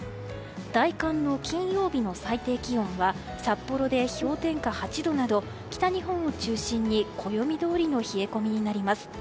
大寒の金曜日の最低気温は札幌で氷点下８度など北日本を中心に暦どおりの冷え込みになります。